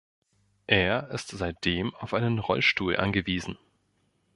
Er ist seitdem auf einen Rollstuhl angewiesen.